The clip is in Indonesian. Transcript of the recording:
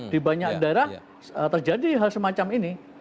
di banyak daerah terjadi hal semacam ini